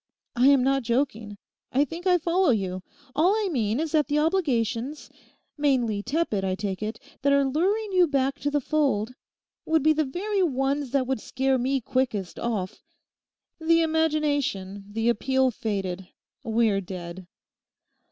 I am not joking. I think I follow you. All I mean is that the obligations—mainly tepid, I take it—that are luring you back to the fold would be the very ones that would scare me quickest off. The imagination, the appeal faded: we're dead.